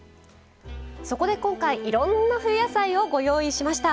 そこで今回いろんな冬野菜をご用意しました。